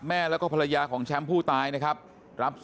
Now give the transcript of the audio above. แม่แล้วก็ภรรยาของแชมป์ผู้ตายนะครับ